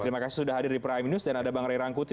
terima kasih sudah hadir di prime news dan ada bang ray rangkuti